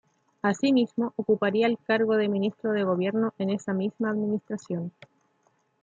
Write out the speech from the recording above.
Asimismo, ocuparía el cargo de Ministro de Gobierno en esa misma administración.